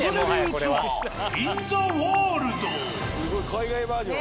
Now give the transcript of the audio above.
すごい海外バージョン。